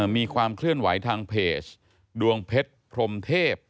มีความเคลื่อนไหวทางเพจดวงเพชรพรมเทพ